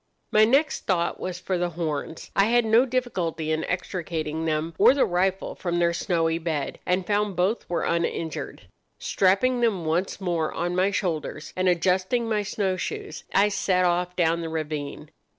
"My next thought was for the horns. I had no difficulty in extricating them or the rifle from their snowy bed, and found both were uninjured. Strapping them once more on my shoulders, and adjusting my snow shoes, I set off down the ravine.